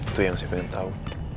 itu yang saya pengen tahu